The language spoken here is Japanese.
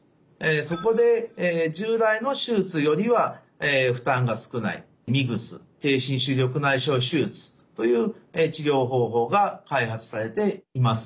そこで従来の手術よりは負担が少ないＭＩＧＳ低侵襲緑内障手術という治療方法が開発されています。